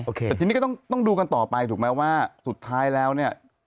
แต่ทีนี้ก็ต้องดูกันต่อไปถูกไหมว่าสุดท้ายแล้วเนี่ย